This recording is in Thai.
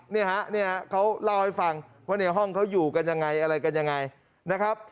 เขาเล่าให้ฟังว่าห้องเขาอยู่กันยังไงอะไรกันยังไงนะครับ